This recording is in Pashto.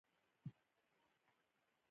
ډاکټر سهار وختي خپل کور ته راغی.